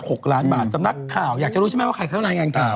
เขารายงานข่าวอยากจะรู้ใช่ไหมว่าใครเขารายงานข่าว